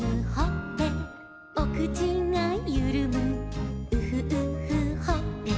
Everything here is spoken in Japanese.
「おくちがゆるむウフウフほっぺ」